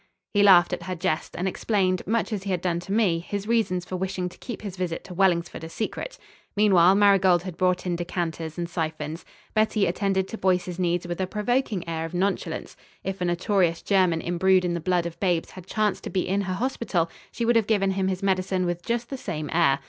He laughed at her jest and explained, much as he had done to me, his reasons for wishing to keep his visit to Wellingsford a secret. Meanwhile Marigold had brought in decanters and syphons. Betty attended to Boyce's needs with a provoking air of nonchalance. If a notorious German imbrued in the blood of babes had chanced to be in her hospital, she would have given him his medicine with just the same air.